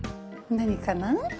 何かなぁ？